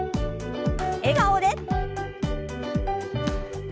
笑顔で。